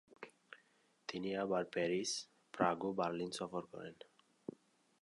তিনি আবার Paris, Prague ও বার্লিন সফর করেন।